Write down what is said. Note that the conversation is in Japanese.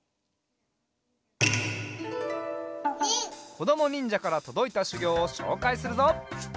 こどもにんじゃからとどいたしゅぎょうをしょうかいするぞ。